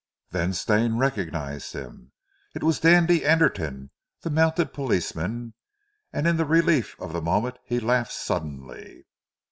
Then Stane recognized him. It was Dandy Anderton, the mounted policeman, and in the relief of the moment he laughed suddenly.